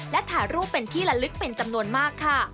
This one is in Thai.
และถ่ายรูปเป็นที่ละลึกเป็นจำนวนมากค่ะ